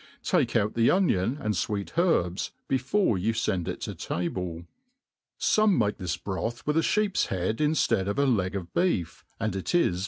Take out the onion and fwect herbs before you fend it to tabic. Some make this broth With a Iheep's head inftcad of a leg of beef, and it is